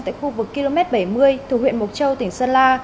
tại khu vực km bảy mươi thuộc huyện mộc châu tỉnh sơn la